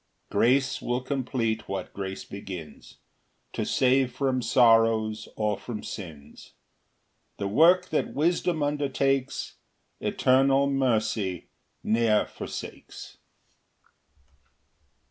7 Grace will complete what grace begins, To save from sorrows or from sins; The work that wisdom undertakes Eternal mercy ne'er forsakes.